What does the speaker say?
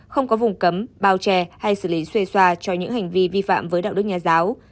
không có vùng cấm bao che hay xử lý xuê xoa cho những hành vi vi phạm với đạo đức nhà giáo